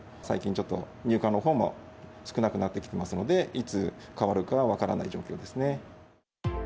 最近ちょっと入荷のほうも少なくなってきてますので、いつ変わるかは分からない状況ですね。